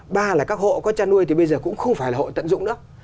ba là các hộ có chăn nuôi thì bây giờ cũng không phải là hộ tận dụng nữa